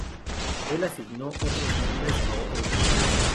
Él asignó otros nombres a otros grupos.